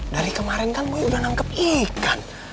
dari kemaren kan boy udah nangkep ikan